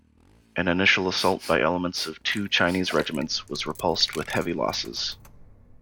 An initial assault by elements of two Chinese regiments was repulsed with heavy losses.